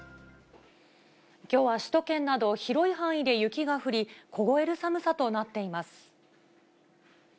きょうは首都圏など、広い範囲で雪が降り、凍える寒さとなっています。